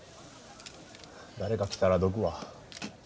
誰か来たらどくわ。